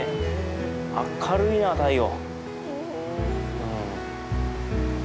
明るいな太陽！